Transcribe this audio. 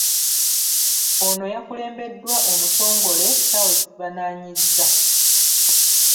Ono yakulembeddwa Omutongole Charles Bananyizza.